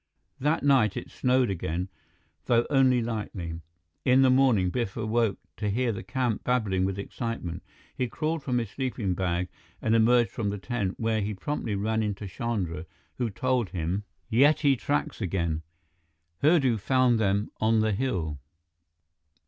That night it snowed again, though only lightly. In the morning, Biff awoke to hear the camp babbling with excitement. He crawled from his sleeping bag and emerged from the tent, where he promptly ran into Chandra, who told him: "Yeti tracks again. Hurdu found them on the hill."